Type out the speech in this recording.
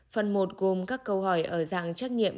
phần một gồm các câu hỏi ở dạng trắc nghiệm